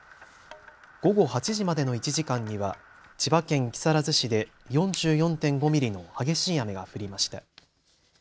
午後８時までの１時間には千葉県木更津市で４４．５ミリの激しい雨が降りました。